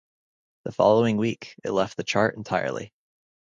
The following week, it left the chart entirely.